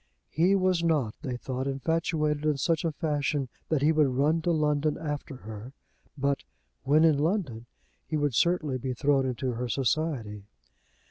He was not, they thought, infatuated in such a fashion that he would run to London after her; but, when in London, he would certainly be thrown into her society.